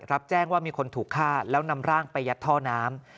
รับแจ้งว่ามีคนถูกฆ่าแล้วนำร่างไปยัดท่อน้ำ